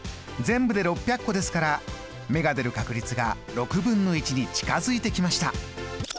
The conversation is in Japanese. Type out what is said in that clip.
全部で６００個ですから目が出る確率が６分の１に近づいてきました。